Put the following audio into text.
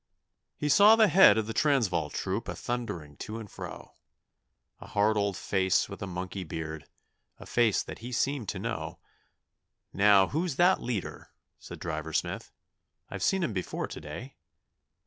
He saw the head of the Transvaal troop a thundering to and fro, A hard old face with a monkey beard a face that he seemed to know; 'Now, who's that leader,' said Driver Smith, 'I've seen him before to day.